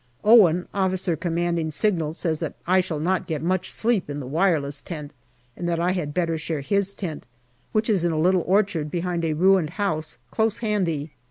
Owen, O.C. Signals, says that I shall not get much sleep in the wireless tent, and that I had better share his tent, which is in a little orchard behind a ruined house close handy.